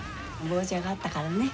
棒茶があったからね。